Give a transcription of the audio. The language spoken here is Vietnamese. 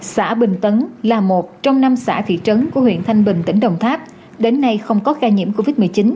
xã bình tấn là một trong năm xã thị trấn của huyện thanh bình tỉnh đồng tháp đến nay không có ca nhiễm covid một mươi chín